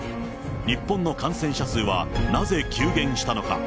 日本の感染者数はなぜ急減したのか。